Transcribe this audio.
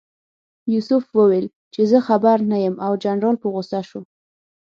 یوسف وویل چې زه خبر نه یم او جنرال په غوسه شو.